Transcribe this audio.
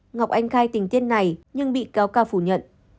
ngọc anh khai tình tiết này nhưng bị cáo ca phủ nhận